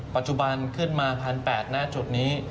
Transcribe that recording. ปัจจุบันขึ้นมา๑๘๐๐หน้าจุดนี้